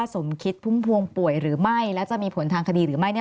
สมคิดพุ่มพวงป่วยหรือไม่และจะมีผลทางคดีหรือไม่